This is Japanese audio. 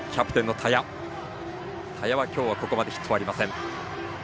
田屋は今日はここまでヒットはありません。